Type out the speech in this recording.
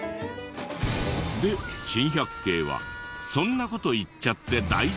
で珍百景は「そんな事言っちゃって大丈夫？」